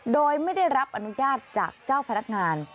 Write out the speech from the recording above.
โดยไม่ได้รับอนุญาตจากเจ้าพนักงาน